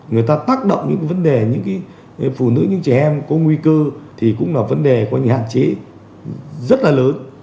người ta tác động những vấn đề những cái phụ nữ những trẻ em có nguy cư thì cũng là vấn đề có hạn chế rất là lớn